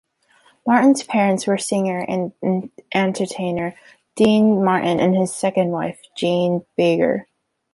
Martin's parents were singer and entertainer Dean Martin and his second wife, Jeanne Biegger.